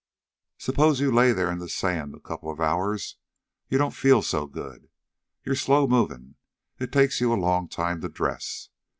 But suppose you lay there in the sand a couple of hours. You don't feel so good. You're so slow movin' it takes you a long time to dress.